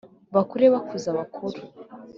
Bakure bakuza abakuru